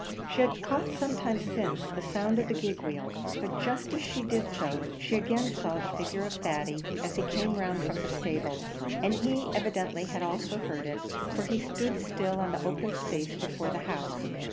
She had caught, some time since, the sound of the gig wheels; but just as she did so, she again saw the figure of Thady as he came round from the stables; and he evidently had heard it also, for he stood still on the open space before the house.